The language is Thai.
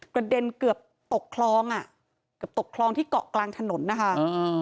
กระเด็นเกือบตกคล้องอ่ะกับตกคล้องที่เกาะกลางถนนนะคะ